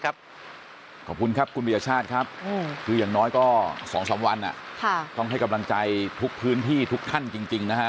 ขอบคุณครับคุณปียชาติครับคืออย่างน้อยก็๒๓วันต้องให้กำลังใจทุกพื้นที่ทุกท่านจริงนะฮะ